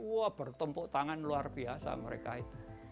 wah bertempuk tangan luar biasa mereka itu